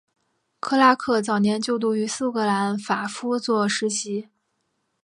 布拉克早年就读于苏格兰法夫作实习。